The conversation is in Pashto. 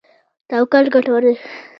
توکل ګټور دی.